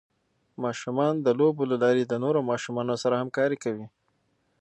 ماشومان د لوبو له لارې د نورو ماشومانو سره همکاري کوي.